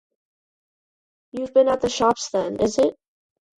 You've been at the shops then, is it?